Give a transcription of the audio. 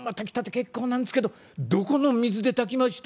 結構なんですけどどこの水で炊きました？」。